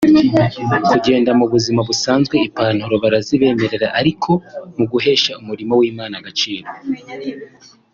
Kugenda mu muzima busanzwe ipantaro barazibemerera ariko mu guhesha umurimo w’Imana agaciro